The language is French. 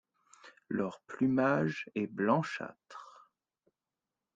Leur plumage est blanchâtre.